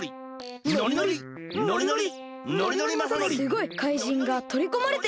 すごい！かいじんがとりこまれてる！